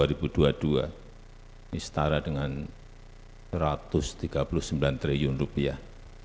ini setara dengan satu ratus tiga puluh sembilan triliun rupiah